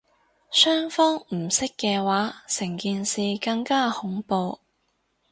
雙方唔識嘅話成件事更加恐怖